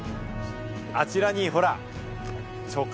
あちらに、ほら。